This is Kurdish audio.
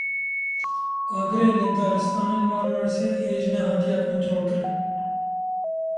Agirê li daristanên Marmarîsê hêj nehate kontrolkirin.